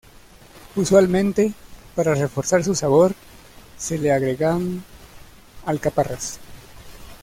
Usualmente, para reforzar su sabor, se le agregan alcaparras.